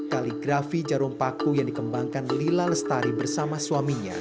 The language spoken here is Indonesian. kaligrafi jarum paku yang dikembangkan lila lestari bersama suaminya